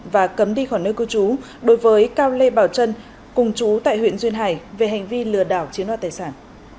và cấm đi khỏi nơi cư trú đối với cao lê bảo trân cùng chú tại huyện duyên hải về hành vi lừa đảo chiếm đoạt tài sản